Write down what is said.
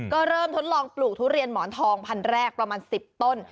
ก็เริ่มทดลองปลูกทุเรียนหมอนทองพันแรกประมาณ๑๐ต้น